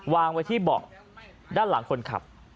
วางไว้ที่เบาะด้านหลังคนขับ